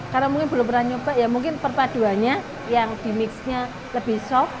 karena mungkin belum pernah nyoba mungkin perpaduannya yang dimixnya lebih soft lembut